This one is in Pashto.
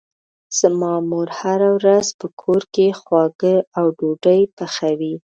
زما مور هره ورځ په کور کې خواږه او ډوډۍ پخوي.